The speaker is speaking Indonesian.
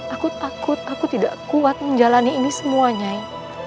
aku takut aku tidak kuat menjalani ini semua nyai